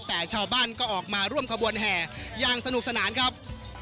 แต่ชาวบ้านก็ออกมาร่วมขบวนแห่อย่างสนุกสนานครับ